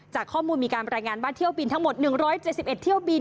จากข้อมูลมีการรายงานว่าเที่ยวบินทั้งหมด๑๗๑เที่ยวบิน